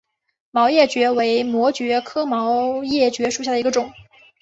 毛叶蕨为膜蕨科毛叶蕨属下的一个种。